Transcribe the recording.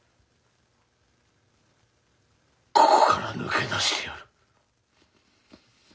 ここから抜け出してやる。